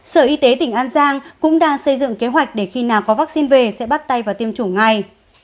sở y tế tỉnh an giang cũng đang xây dựng kế hoạch để khi nào có vaccine về sẽ bắt tay vào tiêm chủng ngay